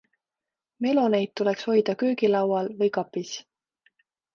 Meloneid tuleks hoida köögilaual-või kapis.